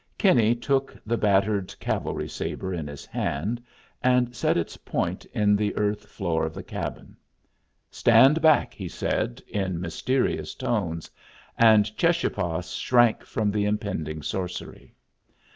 Kinney took the battered cavalry sabre in his hand, and set its point in the earth floor of the cabin. "Stand back," he said, in mysterious tones, and Cheschapah shrank from the impending sorcery.